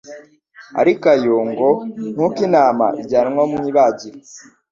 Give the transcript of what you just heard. ariyo aya ngo : "Nk'uko intama ijyanwa mu ibagiro."